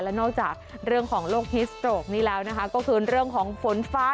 และนอกจากเรื่องของโลกฮิสโตรกนี้แล้วนะคะก็คือเรื่องของฝนฟ้า